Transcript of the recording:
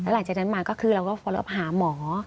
หลังจากนั้นมาก็คือเราก็หาหมอ